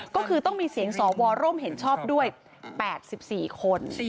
ก็คือต้องมีเสียงสวร่วมเห็นชอบด้วย๘๔คน